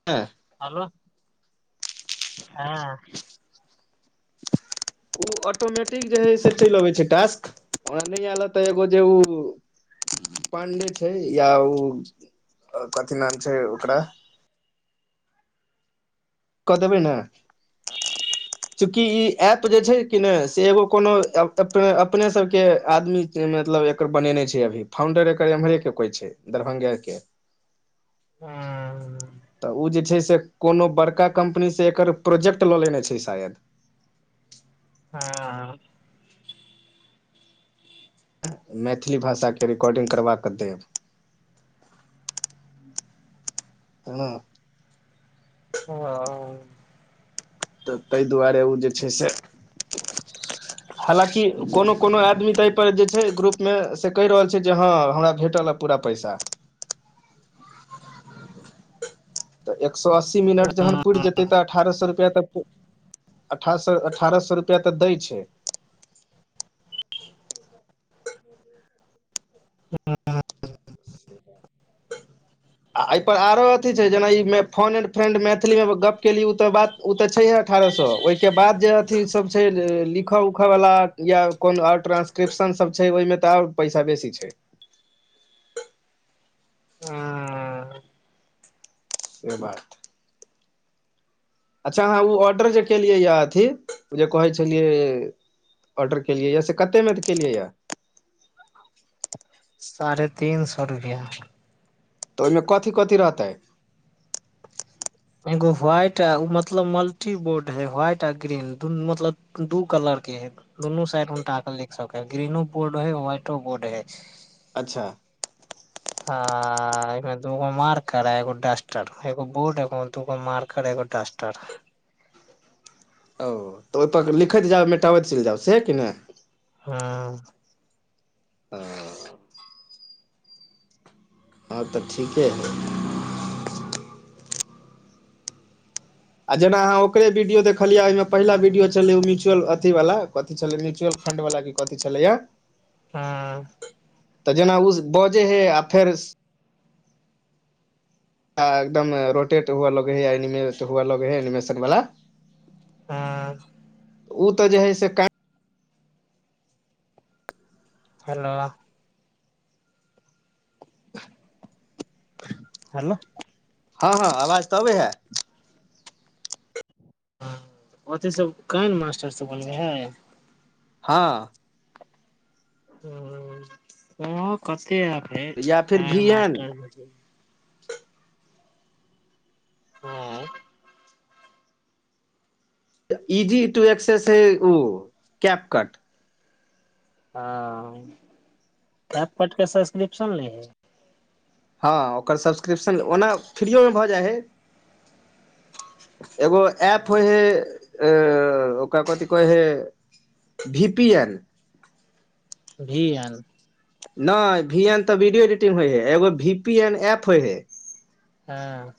[unintelligible] Hello हँ ओ automatic जे हय से चलि अबै छै टास्क ओरा नहि आयल तऽ एगो जे उ पांडे छै या ओ कथी नाम छै ओकरा क देबे ने चूँकि ई एप जे छै कि ने से एगो कोनो अपने अपने सब के आदमी मतलब एकर बनेने छै अभी फाउंडर एकर एम्हरे के कोइ छै दरभंगे के हं तऽ ओ जे छै से कोनो बड़का कम्पनीसँ एकर प्रोजेक्ट लऽ लेने छै शायद हँ मैथिली भाषाके रिकॉर्डिंग करबा कऽ देब तना ओ तऽ तहि दुआरे ओ जे छै से हालाँकि कोनो कोनो आदमी तऽ एहिपर जे छै ग्रुपमे से कहि रहल छै जे हँ हमरा भेटल अप पूरा पैसा तऽ एक सए अस्सी मिनट जखन पुड़ि जेतै तऽ अठारह सए रुपैआ तऽ अठा स ठारह सए रुपआ तऽ दै छै ह [inaudible] आ एहिपर आरो अथी छै जेना ई फोन ए्ड फ्रेंड मैथिलीमे गप केली ओ तऽ बात ओ तऽ छैहे अठारह सौ ओहिके बाद जे अथी सब छै लिखय उखयवला या कोनो आओर ट्रानंसक्रिप्शन सब छै ओहिमे तऽ ओर पैसा बेसी छै अं से बात अच्छा अहाँ उ ऑर्डर जे केलियै यए अथी ओ जे कहै छलियै ऑर्डर केलियै यऽ से कतेमे तऽ केलियै यऽ साढ़े तीन सौ रुपैआ तऽ ओहिमे कथी कथी रहतै एगो व्हाइट आ ओ मतलब मल्टीबोर्ड है व्हाइट आ ग्रीन दुन मतलब दू कलर के है दुनू साइड उ टाके देखि सक ह ग्रीनो बोर्ड है व्हाइटो बोर्ड है अच्छा आ एमें दूगो मार्कर है एगो डस्टर एगो बोर्ड एगो दूगो मार्कर एगो डसटर ओ तऽ ओतय लिखैत जायब मेटाबैत चलि जायब सह कि नहि हँ हं आब तऽ ठीके हइ आ जेना अहाँ ओकरे वीडियो देखलियै ओहिमे पहिला वीडियो छलै ओ म्यूचुअ अथी वाला कथी छलै म्यूचुअल फंड वला कथी छलैया हँ तऽ जेना ओ बजे हय आ फेर एकदम रोटेट हुआ लगे है एनिमेट हुए लगे है एनिमेशन वाला ह ओ तऽ जे है से क हेलो हेलो हँ हँ आवाज तऽ अबे है हँ अथीसँ केन मास्टर सब बोलै है हँ हं ओ या फिर कतेेटर भी एन मास्टर हँ ईजी टू ए्सेस ओ कैप कट हँ कए पटके सब्स्क्रिप्शन लै हइ हँ ओकर सब्सक्रिप्शन ओना फ्रीमे भऽ जाइ हइ एगो एप होइ हे अ ओकरा कथी कहै हे भीपी एन भी हन नहि भी एन तऽ वीडियो एडिटिंग होइ है एगो भी पी एन एप होइ है हँ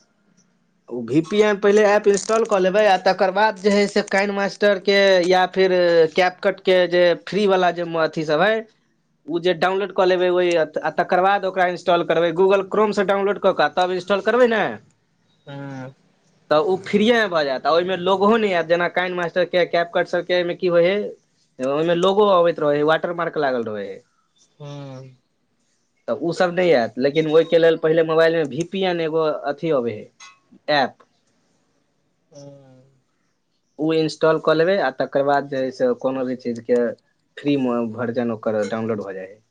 ओ वी पी एम पहिले एप इंस्टॉल कऽ लेबै आ तकर बाद जे है से कइन मास्टरके या फिर कैपकट के जे फ्री वला जे अथी सब है ओ जे डाउनलोड कऽ लेबै तकर बाद ओकरा इंस्टाल करबैूल क्रोम डाउनलोड कऽ तब इन्स्टॉल करबै ने हँ तऽ ओ फ्रीएमे भऽ जायत आ ओहिमे लो नहि आयत जेना कइंन मास्टरके कैपकट सभके एहिमे की होइ हइ ओहिमे लोगो अबैत रहै वाटर मार्क लागल रहे है हँ तऽ ओसभ नहि आयत लेकिन ओहिके लेल पहिले मोबाइलमे भी पी एन एगो अथी अबै हइ प ह ओ इंस्टॉल कऽ लेबै आ तकर बाद जे हइ से कोनो भी चीजके फ्री वर्जन ओकर डाउनलोड भ जाइ है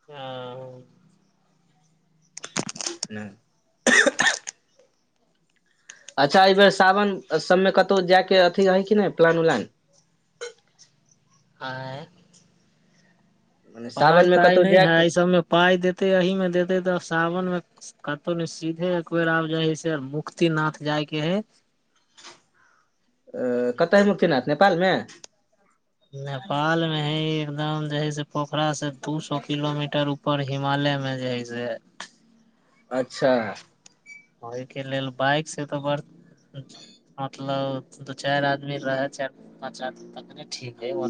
आ नइ अच्छा एहि बेर सावन सबमे कतहु जायके अथी है किी नहि प्लान उलान आँ मने पाय सावनमे ताय कतहु नहि है जायके एहि सबमे पााय देतै एहिही मे देते तऽ सावन मे कतहु ने सीधे एक बेर आब जा हय से मुक्ति नथ जायके है अ कतऽ है मुक्तनाथ नेपालमे नेपाल मे है एकदम जे है से पोखरास से दू सए किलोमीटर प र हिमालय मे जे हइ से अच्छा ओहिके लेल बाइक से तऽ ब मतलब दू चाइर आदमी रहै चार पाँच आदमी ठीक ह ओ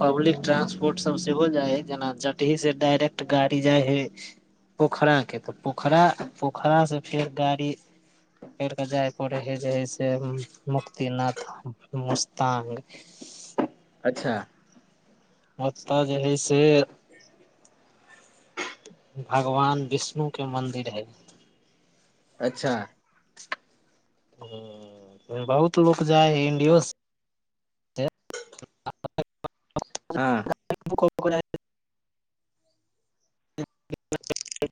पब्लिक ट्रांसपोर्ट सब सेहो जाइ हइ जेना जटही से डायरेक्ट गाड़ी जाइ हइ पोखराके तऽ पोखरा पोखरासँ फेर गाड़ी कर कऽ जाय पड़े हय जे हइ से मुक्तिनाथ मुस्तांग ह अच्छा मता जे हइ से भगवान विष्णु के मंन्दिर है अच्छा बहुत लोक जाय है इंडियो से ह हँ को ह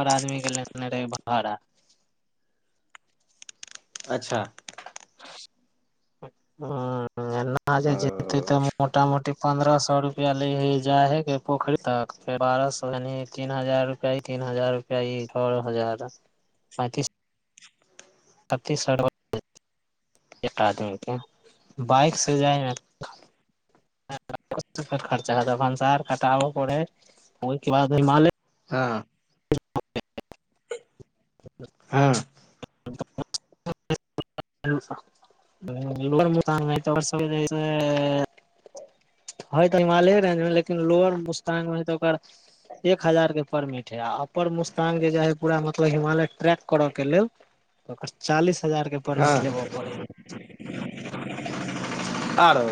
आदमीके लेने रहै भाड़ा अच्छा ह नहि जेत हँ तऽ मोट मोटी पंन्द्रह सए रुपआ ले हे जा हे के पोखरी तक बारह सए य तीन हजार रुपआ तीन हजार पन्द्रह हजार पैंतिस कतै सरव एक आदमीके बाइक से जाइ मे खर्चा ह भनसार कटाबऽ पड़े ह ओहिके बाद हिमालय हँ [unintelligible] हँ [inaudible] [inaudible] ह तऽ हिमालय रेंज मे लेकिन लोअर मुस्तान मे है तऽ ओकर एक हजार के परमिट है आ अपर मुस्तांग जे है पूरा मतलब हिमालय ट्रैक करऽ के लेल ओकर चालीस हजार के परमिट लेबऽ पड़ै ह आरो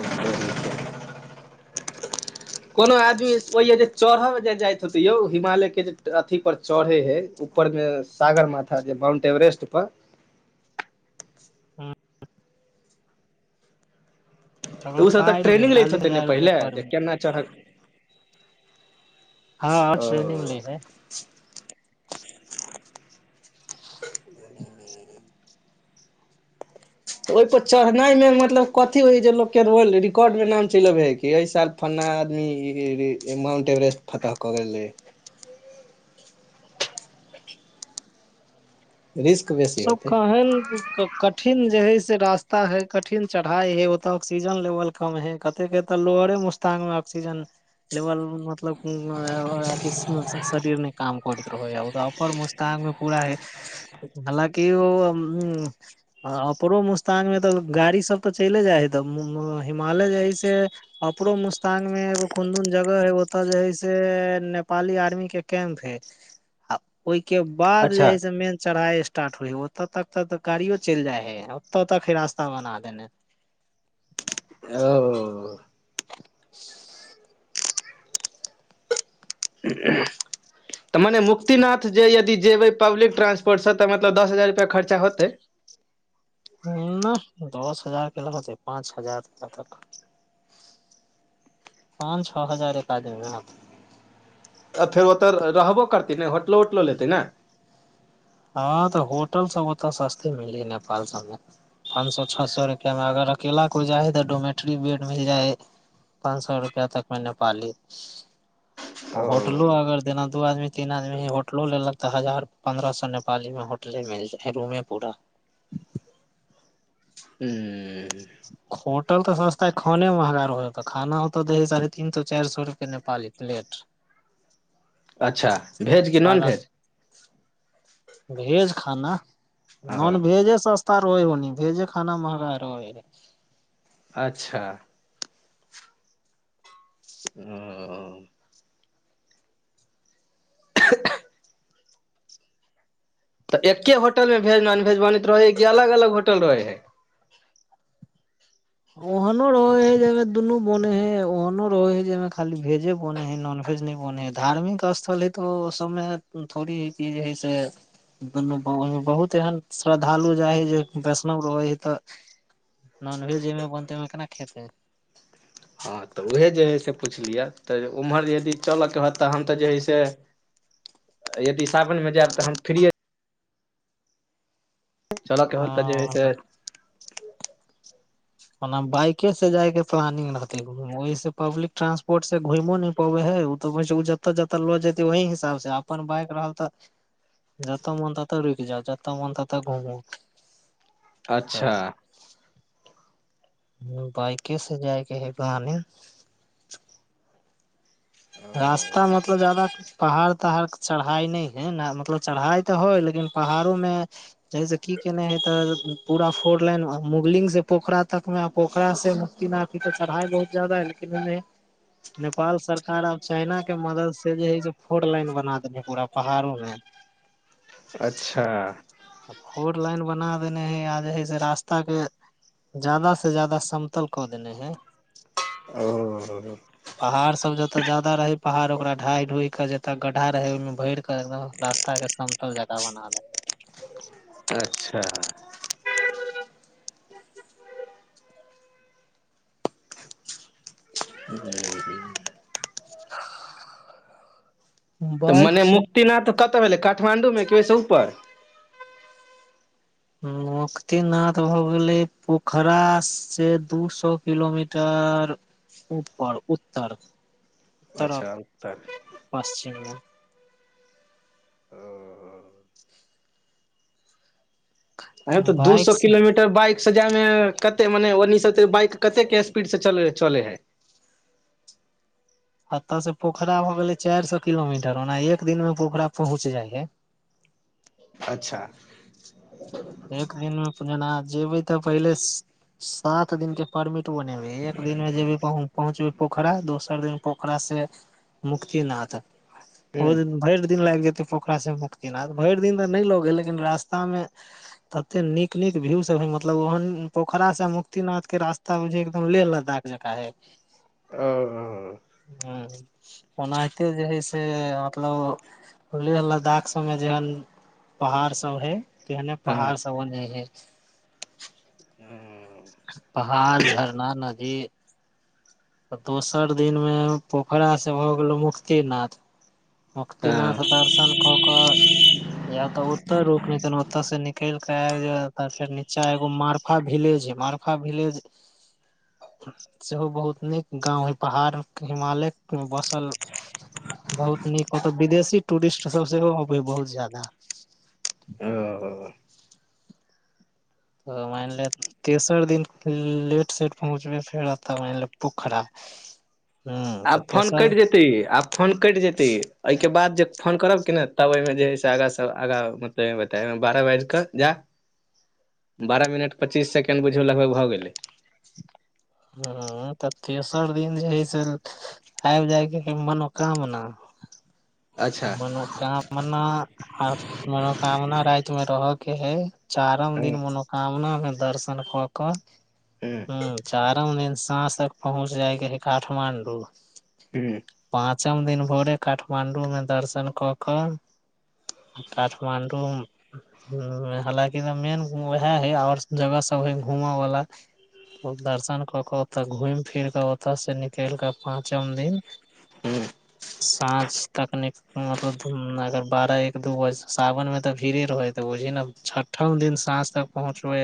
कोनो आदमी ओहिय जे चढ़ब जे जाइत होतै यौ हिमालय के जे अथी पर चढ़े हय ऊपर मे सागर माथा जे माउंट एवरेस्ट पर हँ तऽ ओकर ओसभ तऽ पाय ट्रेनिंग लैत चालीस हतै ने हजार रुपआ पहिले जे परमिट केना चढ़त हँ ओ आस्रेनिंग लै रहै तऽ ओहिपर चढ़नाइमे मतलब कथी होइ जे लोकके रोल्ड रिकॉर्डमे नाम चैल अबैत हइ कि ई साल फलना आदमी माउंट एवरेस्ट फतह कऽ गेल रहे रिस्क बेस सब कहेन कठिन जे हय से रास्ता है कठिन चढ़ाई हय ओतऽ ऑक्सीजन लेवल कम हय कते के तऽ लोअरे टांग मे ऑकसीजन लेवल मतलब अथि शरीर नहि काम करैत रहै अपर म टांगगमे पूरा है आ हालांकि औ आ अपरो मुस्तांगमे तऽ गाड़ी सब तऽ चले जाइ हइ तऽ हिमालय जे है से अपरो मुस्तांग मे एगो कोन कोन जगह है ओतऽ जे है से नेपाली आर्मी के कैम्प है आ ओहिके बाद अच्छा जे हय से मेन चढ़ाइ स्टार्ट हो ह ओतऽ तक त तऽ गाड़ियो चलि जाइ है ओतऽ तक ह रास्ता बना देने ओ [inaudible] उ तऽ मने मुक्तिनाथ जे यदि जेबै पब्लिक ट्रांसपोर्टसँ तऽ मतलब दस हजार रुपैआ खर्चा होतै नइ दस हजार के लगते पाँच हजारुपा तक पाँच छओ हजार एक आ देम ने आ फेर ओतऽ रहबो करतै ने होटलो उटलो लेतै ने हँ तऽ होटल सब ओतऽ सस्ते मिली नेपाल सबमे पाँच सौ छओ सौ रुपैआमे अगर अकेला कोइ जाइ हइ तऽ डोमेट्री बेड मिल जाइ हइ पाँच सौ रुपआ तक मे नेपालि ओ होटलो हूँ अगर देना दू आदमी तीन आदमी ह होटलो लेलक तऽ हजार पन्द्रह सौ पाली मे होटले मिल जा है रूम पूरा ह होटल तऽ सस्ता है खाने महगा रह त खानातऽ साढ़े तीन सए चार सए रुप नेपाली प्लेट [inaudible] अच्छा भेज कि नॉन सादा भेज भेज खाना ओ नॉन भेजे सस्ता रहै होनी भेजे खाना महगा रहे हे अच्छा ओ अह अह तऽ एके होटल में भेज नॉन भेज बनैत रहे है कि अलग अलग होटल रहे ओहनो रहे है जाहिमे दुनू बने है ओहनो रहे है जाहिमे खाली भेजे बने है नॉन भेज नहि बने ह धार्मिक स्थल हइ त ओ सबमे थोड़ी ह [unintelligible] क जे हइ से दुनू बहुत एहन श्रद्धालु जाय है जे वैष्णव रहै है त नॉन भेज जेमे बनते ओमे केना खेतै हँ तऽ उएहे जे हइ से पुछलियै तऽ उम्हर यदि चलके हत तऽ हम तऽ जे हइ से यदि सावन मे जायब तऽ हम फ्री चल [unintelligible] केवल तजेे हँ सेर ओना बाइके से जाय के प्लानिंग रहते ओहिसंँ पब्लिक ट्रांसपोर्ट से घुमो न पबै है त जतऽ जतऽ लऽ जेतै ओही हिसाब से अपन बाइक रहल तऽ जतऽ मन ततऽ रुकि जाउ, जतऽ मन ततऽ घुमू। अच्छा हूँ, बाइकसे जायके हइ, बहाने। रास्ता मतलब ज्यादा पहाड़ तहाड़ चढ़ाइ नहि छै ने, मतलब चढ़ाइ तऽ होइ छै, लेकिन पहाड़ोमे। जइसे कि केने हे ते पूरा फोर लेन मुगलिंगसे पोखरातकमे, पोखरासँ मुक्तिनाथ। की तऽ चढ़ाई बहुत ज्यादा ह लेकिन नेपाल सरकार अब चीनक मददसँ जे छै से पूरा पहाड़ोमे फोर लेन बना देलकै। अच्छा फोर लेन बना देने हइ आ जे हइ से रास्ता के ज्यादा से ज्यादा समतल कऽ देने हैं ओ ह ह पहाड़ सभ जतऽ बेसी छल, ओतऽ पहाड़ काटि काटि कऽ आ जतऽ गड्ढा छल, ओहिमे माटि पाथर भरि कऽ रास्ता रास्ताके समतल जगह बना देलक। अच्छा ह [inaudible] तऽ बाइक मने से मुक्तिनाथ कतऽ भेलै, काठमांडूमे कि ओइसँ ऊपर? मुक्तिनाथ भऽ गेलै पोखरासँ दू सय किलोमीटर। ऊपर उत्तर उत्तर अच्छा उत्तर पश्चिम ओ अऽ, तऽ मे दू बाइक सय से किलोमीटर। तऽ बाइकसँ जायमे कते, मने ओतऽ बाइक कतेक स्पीडसँ चलै हइ? एतऽसँ पोखरा भऽ गेलै चारि सय किलोमीटर, ओना एक दिनमे पोखरा पहुँचि जाइ हे। अच्छा एक दिनमे जेना जेबै तऽ पहिले सात दिनक के? परमिट बनेबे एक दिनमे जेबे, कहूँ पहुँचि। पोखरा दोसर दिन, पोखरासँ मुक्तिनाथ। हूँ ओ दिनभर लाग जैतै। पोखरासँ मुक्तिनाथ भरि दिन तऽ नहि लागल, लेकिन रास्तामे तते नीक नीक व्यू सभ छै, मतलब ओहन पोखरासँ मुक्तिनाथके रास्ता एकदम लेह-लद्दाख जकाँ। जेका है ओ हूँ ओनाहिते जे हइ से, मतलब लेह लद्दाख सभमे जेहन। पहाड़ सभ छै तेहने हँ पहाड़ सभ ओने छै। हू पहाड़ झरना, नदी तऽ दोसर दिनमे पोखरासँ भऽ गेलहुँ मुक्तिनाथ। हँ मुक्तिनाथ दर्शन कऽ। या तऽ ओते रुकि नेतेन, ओतऽसँ निकलि कऽ आबि जा फेर नीचा एगो मार मार्फा विलेज, मार्फा विलेज। [inaudible] सेहो बहुत नीक गाँव छै, पहाड़ आ हिमालयमे बस। बहुत नीक, ओतऽ विदेशी टूरिस्ट सभ सेहो आबै बहुत बेसी। ओ तऽ मानि लिअऽ, तेसर दिन लेट सबेर पहुँचबे, फेर तऽ मानि लिअऽ पोखरा। हूँ तऽ आब फोन तेसर कटि जेतै आब फोन कटि जेतै एहिके बाद जे फोन करब कि नहि तब ओहिमे जे हइ से आगाँ सब आगाँ मत [unintelligible] बारऽ बाईजकऽ जा बारह मिनट पच्चीस सेकेंड बुझू लगभग भऽ गेलै ह तऽ तेसर दिन जे हइ से आबि जायके मनोकामना अच्छा मनोकामना मनोकामना राति मे रहऽ के है चारम हुं दिन मनोकामना मे दर्शन कऽ कऽ ह ह चारम दिन साँझ तक पहुँच जायके है काठमांडू हू पाँचम दिन भोरे काठमाण्डूमे दर्शन कऽ कऽ काठमांडू ह्म हालकि त मेन उएह है आओर जगह सब है घूमऽ वला दर्शन कर के ओतऽ घुम फिर के ओतऽ से निकल कऽ पाँचम दिन हुं साँझ तकनिक मतलब अगर बारह एक दू बज सावनमे तऽ भीड़े रहै ह तऽ बुझह ने छठम दिन साँझ तक पहुँचबै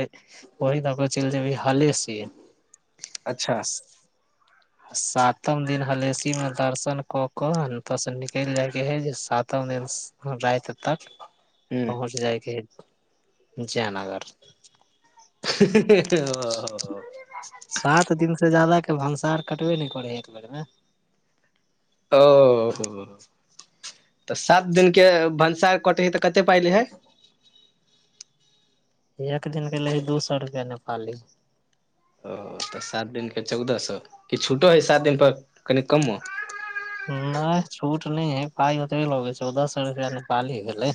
ओहि दाका चलि जेबै हाले से अच्छा सातम दिन हलेसी मे दर्शन कऽ कऽ अत से निकलि जायके हय जे सातम दिन राइत तक हुं पहुच जायके हय जयनगर [inaudible] सात दिन से जादा के भनसार कटबे नहि करे है एक बेर में ओ तऽ सात दिनक के भनसार कटे है तऽ कते पाइले हइ एक दिनके लै हय दू सो रुपआ नेपाली ओ तऽ सात दिन के चौदह सए कि छूटो हय सात दिन पर कनि कमो नहि छूट नहि है पाइ ओतबे लगे चौदह सौ रुपया नेपाली भेलै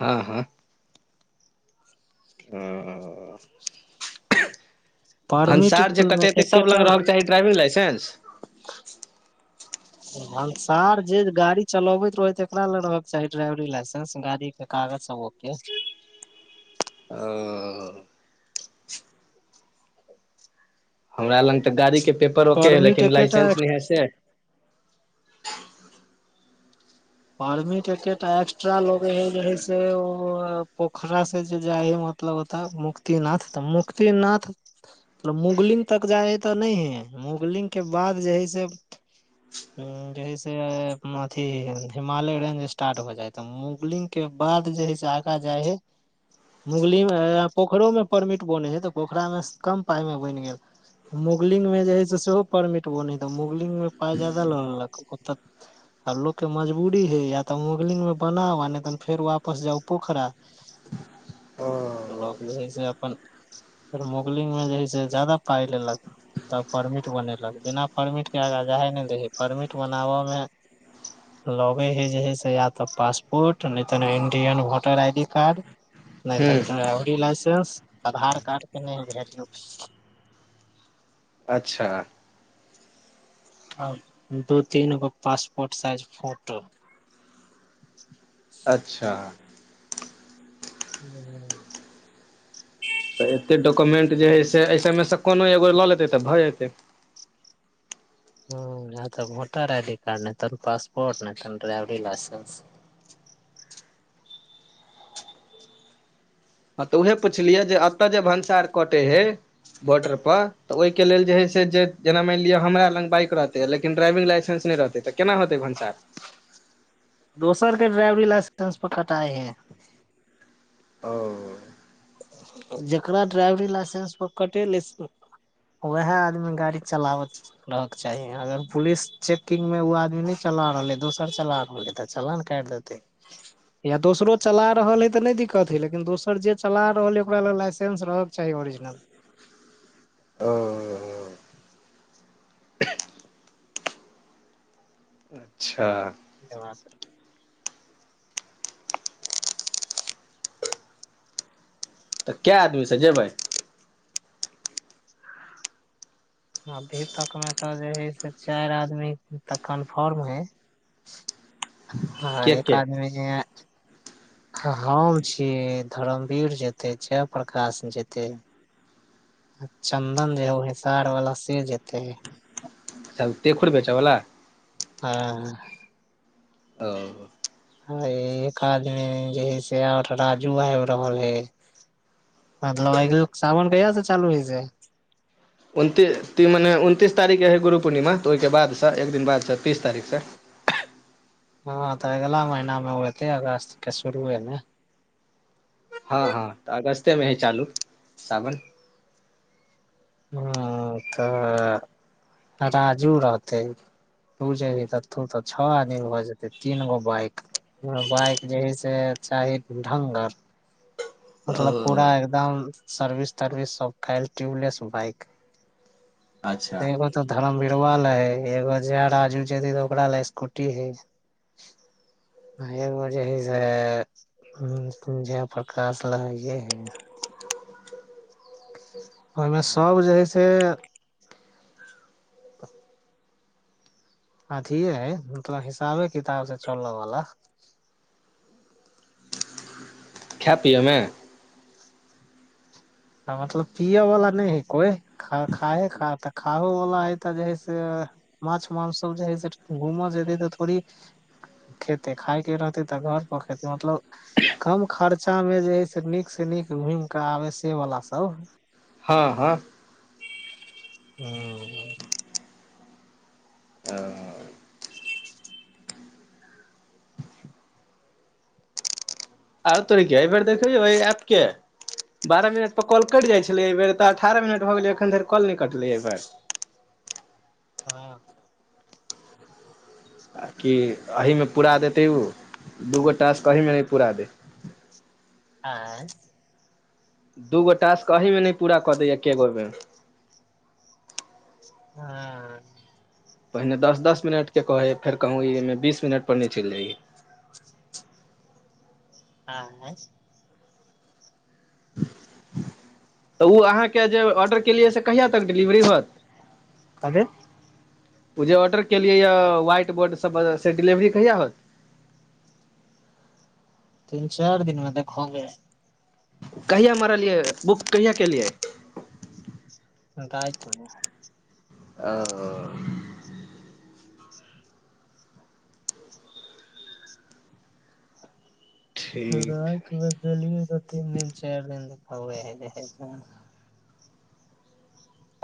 हँ हँ ह परमिट भनसार जे कटेतै सभ एकेटा लग रहक चाही ड्राइविंग लाइसेंस भनसार जे गाड़ी चलबैत रहै तेकरा लग रहयके चाही ड्राइविंग लाइसेंस गाड़ी के कागज सब के ओ हमरा लग तऽ गाड़ी के पेपर होके ह परमिट लेकिन एकेटा लाइसेंस नै है से पर्मीट एके टा एक्स्ट्रा लगे है जे हे से ओ पोखरा से जे जाइ है म कत होता मुक्तिनाथ त मुक्तिनाथ मतलब मुगलिंग तक जाइ हइ तऽ नहि है मुगलिंग के बाद जे है से उ जे ह से अथी हत हिमालय रेंज स्टार्ट हो जाइ तऽ मुगलिंग के बाद जे हइ से आगाँ जाइ हइ मुगली मे पोखरिो मे परमिट बनै छै तऽ पोखरामे कम पाई मे बनि गेल मुगलिंगमे जे हइ से सेहो परमिट ब नहि त मुगलिंगगमे पाइ जादा लऽ लेलक ओतऽ आ लोकके मज बूी है या तऽ मुगलिन मे बना ह नहि तऽ फेर वापस जाउ पोखरा फीस अपन फेर मुोगलिंग मे जे है से ज्याददा पाइ लेलक तब परमिट बनेलक बिना परमिटके आग जा हइ नहि दै ह छै परमिट बनाबऽमे लगे हे जे ह से या तऽ पासपोर्ट नहि तऽ Indian voter I D card नहि तऽ हुं ड्राइवरी लाइसेंस आधार कार्ड के नहि भेयौ अच्छा आ दू तीन गो पासपोर्ट साइज फोटो अच्छा ह [inaudible] तऽ एते डॉक्युमेंट जे हइ से एहिसमेसँ कोनो एगो लऽ लेतै तऽ भऽ जेतै हऽ वोटर आई डी कार्ड तन पासपोर्ट नहि तन ड्राइवरी लाइसेंस हँ तऽ उह पुछलियै जे एतय जे भनसार कटे हे बोर्टर पर तऽ ओहि के लेल जे हे से जेना मानि लिे हमरा लग बाइक रहते य लेकिन ड्राइविंग लाइसेंस नहि रहते त केना होतै भनसार दोसर के ड्राइवरी लाइसेंस प कटाए है ओ जेकरा ड्राइवंग लाइसेंस प कटे ल वएह आदमी गाड़ी चलाबत रहक के चाही अगर पुलिस चेकिंगग मे ओ आदमी नहि चला रहलै दोसर चला रहलै तऽ चला ने काटि देतै या दोसरो चला रहल है तऽ नहि दिक्कत हइ लेकिन दोसर जे चला रहल य ओक लाइेंस रहय के चाही ओरिजिनल ओ अच्छा जवर तऽ कए आदमीसँ जेबै अभी तक मे तऽ जे हय से चाइर आदमी तऽ कन्फर्म हय हँ के एक के आदमी जे हम छी धरमवीर जेतै जयप्रकाश जेतै चंन्दन जे हौ हेसार वला से जेतेै च त देख खुर बेच बला हँ ओ ह एक आदम जे है से आठ राजू आइब रहल हे मतलब आइ सावन कय से चालू होइ छै उनती त मने उनतिस तारीखके हइ गुरु पूर्णिमा तऽ ओहिके बादसँ एक दिन बादसँ तीस तारीखसँ हँ तऽ अगलाा महिना मे होते अगस्त के शुरूएमे हँ हँ तऽ अगस्तेमे हइ चालू सावन ह तऽ राजू रहतै त तऽ तऽ छओ आदमी भऽ जेतै तीन गो बाइक बाइक जे हइ से चाही ढङ्गर ह मतलब पूरा एकदम सर्विस तर्विस सब खल ट्यूबलेस बाइक अच्छा त ब तो धर्म बिरवा ल है एगो जे राजू जेे तऽ ओकरा ल स्कूटी है एगो जे है से प्रकाश ले है ओहिमे सब जे हइ से अथिये है मतलब हिसाबे किताब से चलल वा खै पियऽमे मतलब पियै वला नहि ह कोइ ख खा ह खा त खाहो वला है तऽ जे है से माछ मांस सब जे है से घूम जेतै तऽ थोड़ी खेते खाायके रहतै तऽ घर पर खेती मतलब कम खर्चामे जे हइ से नीक से नीक घुमि कऽ आबै से वला सभ हँ हँ हं आ ठ आर तोर क एहि बेर देखै छौ आपके बारह मिनटप कल कटिइत छलै एहि बेर तऽ अठारह मिनट भऽ गेलै एखन धरि कॉल नहि कटलै एहिेर हँ आ कि एहिहीमे पूरा देतै ओ दूगो टास्क अीमे नहि पूरा दे आँ दूगो टास्क अहीमे नहि पूरा कऽ दैए एके गोमे हँ पहिने दस दस मिनटके कहै हइ फेर कहूँ ई एहिमे बीस मिनटपर नहि चलि जाइयै हँ कहिय तक डिलिवरी होत कथी मुुे ऑर्डर केलि ये वहाइट बोर्ड सब से डिलिवरी कहिया होत तीन चाइर दिन मे देख होगे कहिआ म रहलियै बुक कहिया केलियै दाय च ओ ठीक र गेलियए तऽ तीन दिन चारि दिन देखाुए ह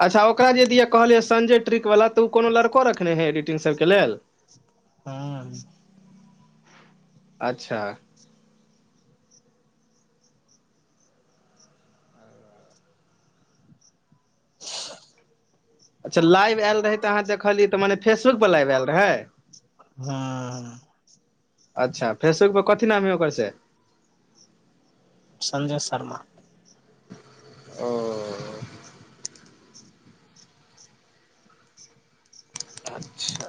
अच्छा ओकरा जे दि कहलियै संजय ट्रिक वला तऽ ओ कोनो लड़को रखने है एडिटिंग सभके लेल हँ अच्छा अच्छा लाइव आयल रह तऽ अहाँ देखलियै तऽ मने फेबक पर लाइव आयल रहै हँ अच्छा फेसबुक पर कथी नाम है ओकर से संजय शर्मा ओ अच्छा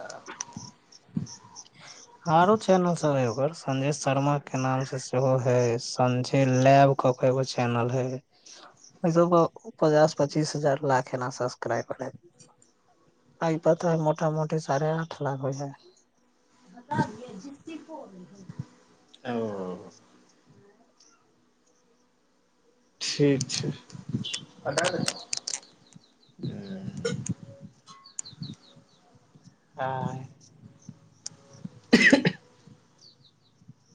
आरो चैनल सब हे ओकर संजय शर्मा के नाम से सेहो है संजय लैब क कगो चैनल हय अ पचास पच्चीस हजार लाखेना सबस्क्राइबै पइ पता ह मोटा मोटी साढ़े आठ लाख होइ हइ ब ओ ठीक छै हँ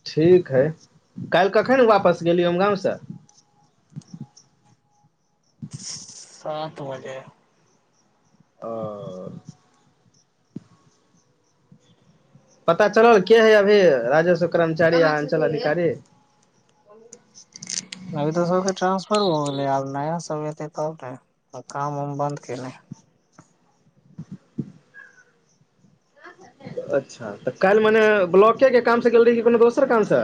ठीक हइ काल्हि कखन वापस गेली हम गाँवसँ सात बजे अ पता चलल के है अभी राजेश्व कर्मचारी आ अञ्चल अधिकारी [inaudible] अभी तऽ सब के ट्रांसफर हो गेलै आब नया सब एते त ने काम उम बन्द केने अच्छा तऽ काल्हि मने ब्लॉके के काम से गेल रही कोनो दोसर काम स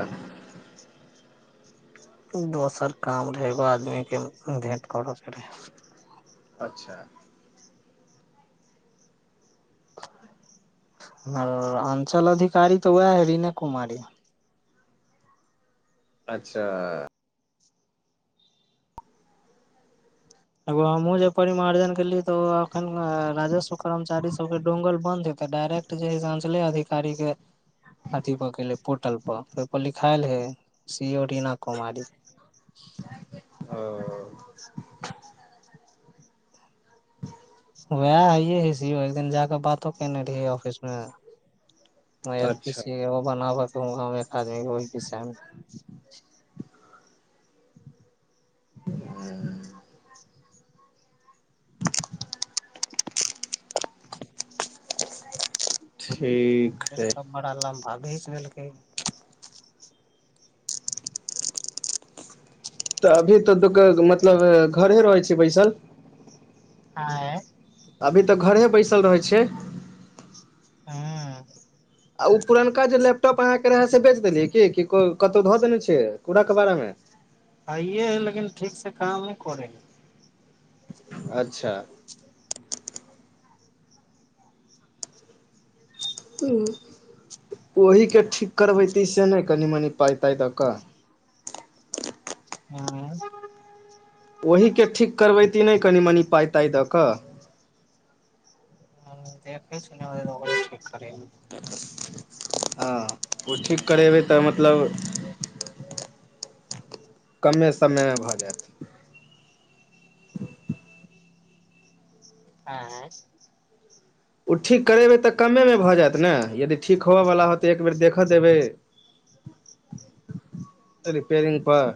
दोसर काम रहै एगो आदमी के भेट करऽ के रहै अच्छा अञ्चल अधिकारी तऽ वएह है रीने कुमारी अच्छा एगो हमहुँ जे परिमार्जन केली तो अखन राजस्व कमचारी सब के ोंगल बन्द हे तऽ डायरेक्ट जे ह से अञचले अधिकारी के अथी पर केले पोर्टल पर ओहिप लिखायल हे सी ओ रीना कुमारी ओ वएह हइय है सीओ एक दिन जाक बातो केने रहियै ऑफिस मे ह एल पी अच्छा सी बनाबैके एक आदमी के ओहि विषय मे ह ठीक हइ सब बड़ा लम्बा घिच लेलेलकै तऽ अभी तऽ दु मतलब घरे रहै छै बैसल हँ अभी तऽ घरे बैसल रहैत छियै हँ आ ओ पुरनका जे लैपटॉप अहाँके रहै से बेच देलियै की कतहु धऽ देने छै कूड़ा कबारा मे हइये हय है लेकिन ठीक से काम नहि करे हे अच्छा ओहि के ठीक करबैती से नहि कनि मनि पाइ ताइ दऽ कऽ हँ ओहिके ठीक करबैती नहि कनि मनि पाइ ताइ दऽ कऽ ह देखै छ ने ब ठीक कर हँ ओ ठीक करेबै तऽ मतलब कमे समयमे भऽ जायत हँ ओ ठीक करेबै तऽ कमेमे भऽ जायत ने यदि ठीक होबयवला होत तऽ एक बेर देखय देबै रिपेयरिंग पर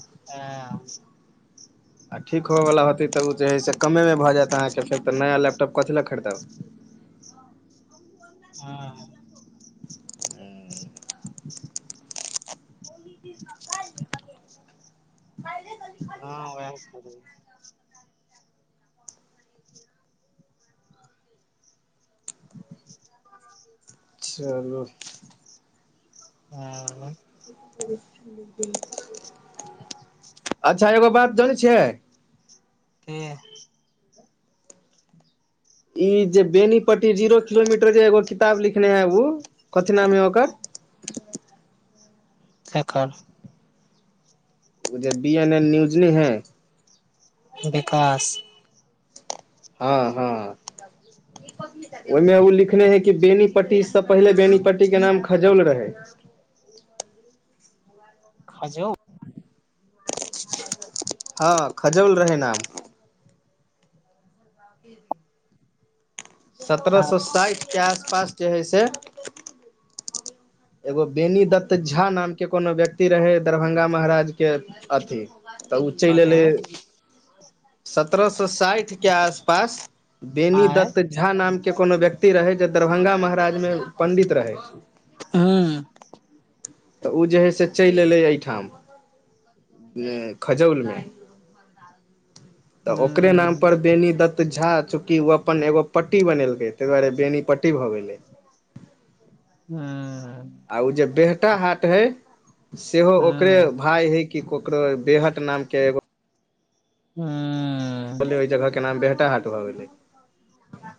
ह आ ठीक होयवला होतैऽ जेइ से कमे भऽ जायत अहाँके फेर तऽ नया लैटॉप कथि लेए खरीदब हँ [unintelligible] हँ ओएै से ह अच्छा एगो बात जनाय छियै के ई जे बेनीपट्टी जीरो किलोमीटर जे एगो किताब लिखने है उ कथि नाम है ओकर सकार ओे बी एन एन न्यूजनी है विकास हँ हँ ओहिमे ओ लिखने है कि बेनीपट्टी से पहिले बेनीपट्टी के नाम खजौल रहै खजौ हँ खजौल रहै नाम जी जी सत्रह सए साठ के आस पास जे हइ से एगो बेनी दत्त झा नाम के कोनो व्यक्ति रहे दरभंगा महाराज के अथी तऽ ओ चैल अरे एलै सत्रह सए साठ के आसपास बेनी आय दत्त झा नाम के कोनो व्यक्ति रहै जे दरभंगा महाराज मे पंडित रहै हूँ तऽ ओ जे है से चैल एलै एहिठाम खजौल मे तऽ ओकरे हूं नाम पर बेनी दत्त झा चूकि ओ अपन एगो पट्टी बनेलकये तहि दुआरे बेनी पट्टी भऽ गेलै ह आ ओ जे बेहटा हाट हइ। सेहो हूं ओकर नामे हइ कि ककरो बेहट नामके एगो। हूं बोलियैहि, जगहके नाम बेटा हाट भऽ गेलै।